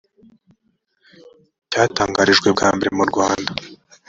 cyatangarijwe bwa mbere murwanda